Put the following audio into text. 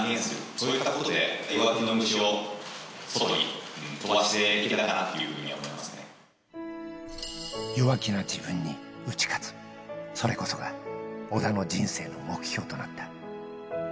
そういったことで弱気の虫を外に飛ばしていけたかなっていうふう弱気な自分に打ち勝つ、それこそが、小田の人生の目標となった。